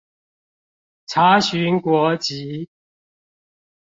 查詢國籍